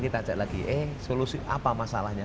kita cek lagi eh solusi apa masalahnya